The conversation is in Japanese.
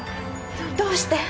どどうして？